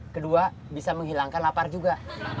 kedua bisa menghilangkan lapar juga